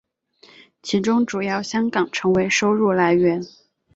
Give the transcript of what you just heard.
其中主要香港成为收入来源。